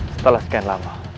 setelah sekian lama